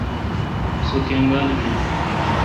سو کنگال بیل۔